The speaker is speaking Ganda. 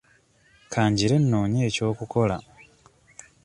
Ka ngire nnoonye eky'okukola.